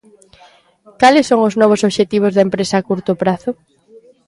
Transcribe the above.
Cales son os novos obxectivos da empresa a curto prazo?